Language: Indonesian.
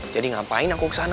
jadi ngapain aku kesana